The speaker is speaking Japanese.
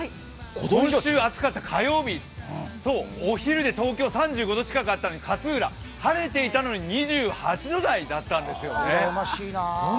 今週暑かった火曜日、お昼で東京、３５度近くあったのに、勝浦、晴れていたのに２８度台だったんです。